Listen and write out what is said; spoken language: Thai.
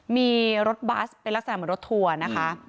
มีรถบัสเป็นลักษณะเหมือนรถทัวร์นะคะ